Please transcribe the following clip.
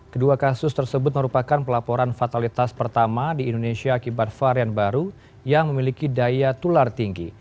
kedua kasus tersebut merupakan pelaporan fatalitas pertama di indonesia akibat varian baru yang memiliki daya tular tinggi